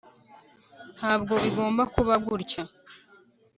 ntabwo bigomba kuba gutya